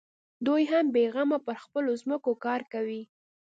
دوى هم بېغمه پر خپلو ځمکو کار کوي.